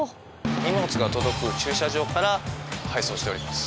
荷物が届く駐車場から配送しております。